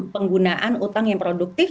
penggunaan utang yang produktif